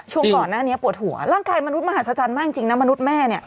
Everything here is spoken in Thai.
ช่วงก่อนหน้านี้ปวดหัวร่างกายมนุษย์มหัศจรรย์มากจริงนะมนุษย์แม่เนี่ย